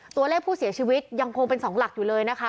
ตัวเลขผู้เสียชีวิตยังคงเป็น๒หลักอยู่เลยนะคะ